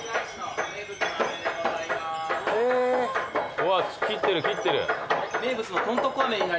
うわ切ってる切ってる。